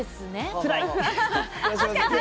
つらい！